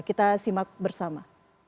kita simak bersama